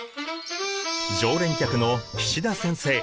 常連客の岸田先生。